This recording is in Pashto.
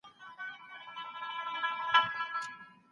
ولي د بیده کېدو مخکې ارامتیا اړینه ده؟